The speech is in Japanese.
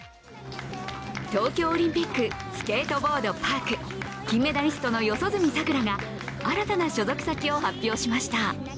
東京オリンピック、スケートボード・パーク、金メダリストの四十住さくらが新たな所属先を発表しました。